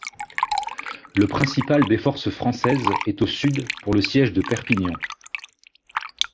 Le principal des forces française est au sud pour le siège de Perpignan.